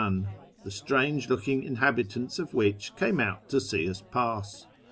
in, the strange looking inhabitants of which came out to see us pass.